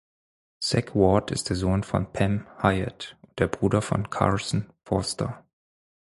Zack Ward ist der Sohn von Pam Hyatt und der Bruder von Carson Forster.